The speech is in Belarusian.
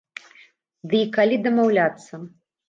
Ды і калі дамаўляцца?